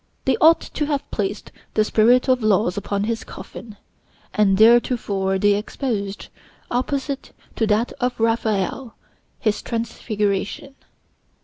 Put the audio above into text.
They ought to have placed the 'Spirit of Laws' upon his coffin, as heretofore they exposed, opposite to that of Raphael, his Transfiguration.